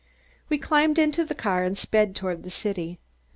We climbed into the car and sped toward the city.